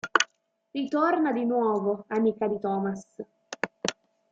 Ritorna di nuovo amica di Thomas.